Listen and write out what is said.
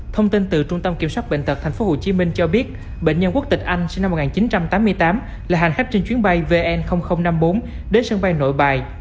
thông tin từ trung tâm kiểm soát bệnh tật tp hcm cho biết bệnh nhân quốc tịch anh sinh năm một nghìn chín trăm tám mươi tám là hành khách trên chuyến bay vn năm mươi bốn đến sân bay nội bài